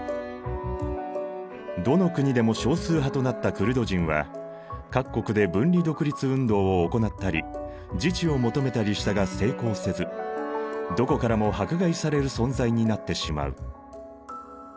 どの国でも少数派となったクルド人は各国で分離独立運動を行ったり自治を求めたりしたが成功せずどこからも迫害される存在になってしまう。